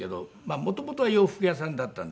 元々は洋服屋さんだったんで。